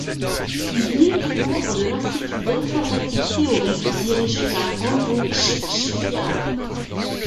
Il y était membre de l'institut d’informatique théorique dirigé par Andrew Chi-Chih Yao.